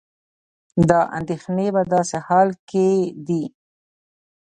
دا اندېښنې په داسې حال کې دي